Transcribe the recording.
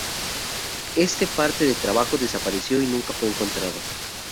Este parte de trabajo desapareció y nunca fue encontrado.